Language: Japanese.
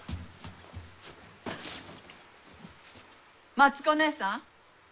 松子姉さん。